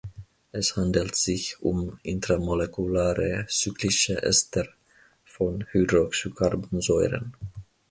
Es handelt sich um intramolekulare, cyclische Ester von Hydroxycarbonsäuren.